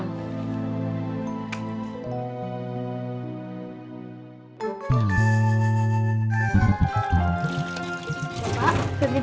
dibi aku mau berjalan